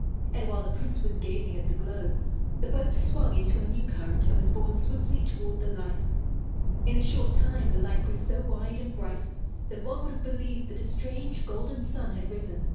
And while the Prince was gazing at the glow, the boat swung into a new current, and was borne swiftly toward the light. In a short time the light grew so wide and bright that one would have believed that a strange, golden sun had risen.